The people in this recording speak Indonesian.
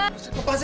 lihat apa sih